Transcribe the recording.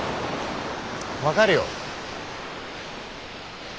分かるよ。